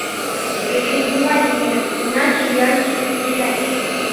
Не перебивайте меня, иначе я начну стрелять.